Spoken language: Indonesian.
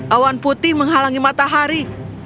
awan putih menghalangi matahari